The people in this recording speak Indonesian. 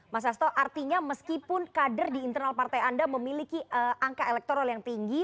mas sasto artinya meskipun kader di internal partai anda memiliki angka elektoral yang tinggi